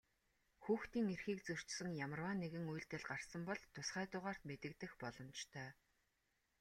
Хүүхдийн эрхийг зөрчсөн ямарваа нэгэн үйлдэл гарсан бол тусгай дугаарт мэдэгдэх боломжтой.